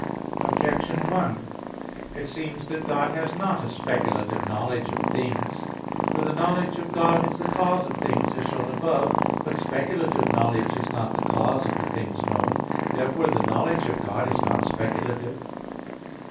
Objection 1: It seems that God has not a speculative knowledge of things. For the knowledge of God is the cause of things, as shown above (A. 8). But speculative knowledge is not the cause of the things known. Therefore the knowledge of God is not speculative.